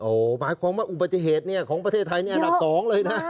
หมายความว่าอุบัติเหตุของประเทศไทยนี่อันดับ๒เลยนะ